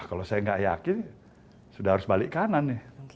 kalau saya nggak yakin sudah harus balik kanan nih